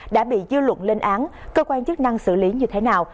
đã bị dư luận lên án cơ quan chức năng xử lý như thế nào